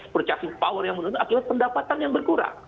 purchasing power yang menurun akibat pendapatan yang berkurang